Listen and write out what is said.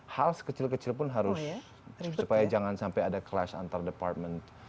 hal sekecil kecil pun harus supaya jangan sampai ada clash antar department